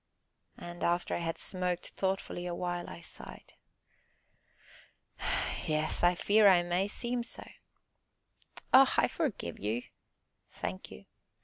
And, after I had smoked thoughtfully awhile, I sighed. "Yes, I fear I may seem so." "Oh, I forgive you!" "Thank you."